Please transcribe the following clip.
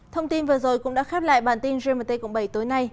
thông tin vừa rồi cũng đã khép lại bản tin gmt cộng bảy tối nay